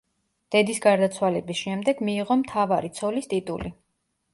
დედის გარდაცვალების შემდეგ მიიღო „მთავარი ცოლის“ ტიტული.